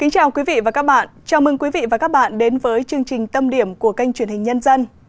chào mừng quý vị và các bạn đến với chương trình tâm điểm của kênh truyền hình nhân dân